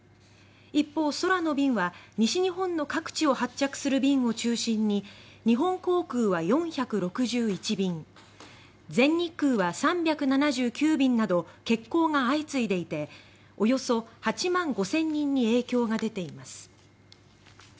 一方、空の便は西日本の各地を発着する便を中心に日本航空は４６１便全日空は３７９便など欠航が相次いでいておよそ８万５０００人に影響が出ています。